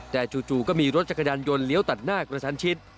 แต่จู่ก็มีรถจักรยานยนต์เลี้ยวตัดหน้ากระชันชิด